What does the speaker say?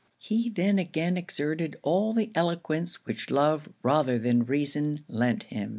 He then again exerted all the eloquence which love rather than reason lent him.